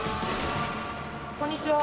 こんにちは。